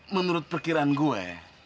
menurut perkiraan gue